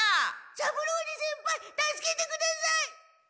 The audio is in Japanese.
三郎次先輩助けてください！